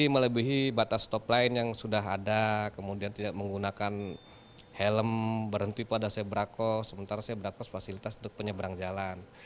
melebihi batas stop line yang sudah ada kemudian tidak menggunakan helm berhenti pada sebrako sementara sebrakos fasilitas untuk penyeberang jalan